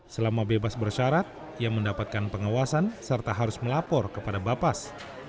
selama bebas bersyarat ia mendapatkan pengawasan serta harus melapor kepada bapas